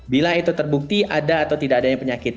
bila itu terbukti ada atau tidak adanya penyakit